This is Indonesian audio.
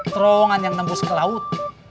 terowongan yang nembus ke laut